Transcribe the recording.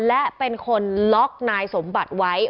และเป็นคนล็อกนายสมบัติไว้